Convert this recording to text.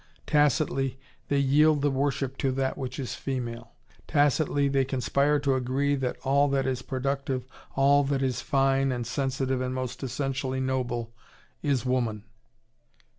Tacitly, they yield the worship to that which is female. Tacitly, they conspire to agree that all that is productive, all that is fine and sensitive and most essentially noble, is woman.